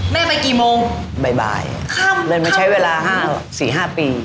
แม่ไปกี่โมงบ่ายบ่ายข้ามข้ามเล่นมาใช้เวลาห้าสี่ห้าปี